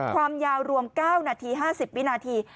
ความยาวรวม๙นาที๕๐วินาที